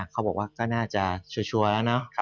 เขาบอกว่าก็น่าจะชัวร์แล้วเนอะ